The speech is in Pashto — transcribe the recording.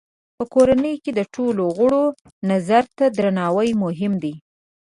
په کورنۍ کې د ټولو غړو نظر ته درناوی مهم دی.